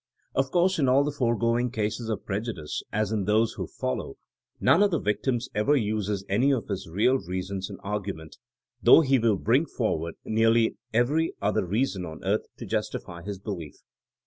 Of course in all the foregoing cases of preju dice, as in those to follow, none of the victims ever uses any of his real reasons in argument, though he will bring forward nearly every other reason on earth to justify his belief.